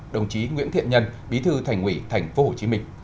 đồng chí nguyễn thiện nhân bí thư thành ủy thành phố hồ chí minh